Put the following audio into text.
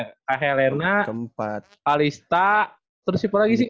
kayak helena alista terus siapa lagi sih